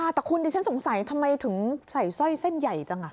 แต่คุณดิฉันสงสัยทำไมถึงใส่สร้อยเส้นใหญ่จัง